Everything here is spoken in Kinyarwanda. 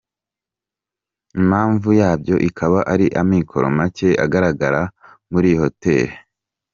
Impamvu yabyo ikaba ari amikoro make agaragara muri iyi Hoteli.